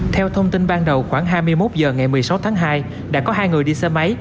theo thông tin ban đầu khoảng hai mươi một h ngày một mươi sáu tháng hai đã có hai người đi xe máy